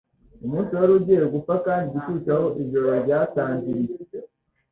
Umunsi wari ugiye gupfa kandi igicucu aho ijoro ryatangiriye